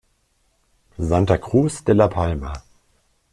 Santa Cruz de la Palma